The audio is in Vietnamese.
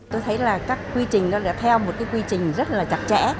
tôi thấy là các quy trình đã theo một quy trình rất chặt chẽ